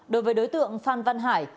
đối với đối tượng phan văn hải